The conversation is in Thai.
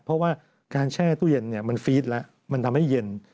เพราะว่าการแช่ตู้เย็นมันฟีดแล้วมันทำให้เย็น